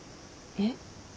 えっ？